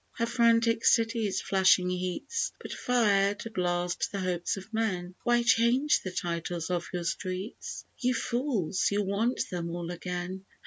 Her frantic city's flashing heats But fire, to blast the hopes of men. Why change the titles of your streets? You fools, you'll want them all again.